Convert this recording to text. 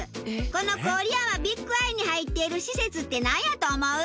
この郡山ビッグアイに入っている施設ってなんやと思う？